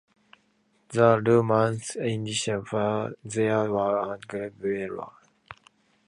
The Romans identified her with their war goddess Bellona.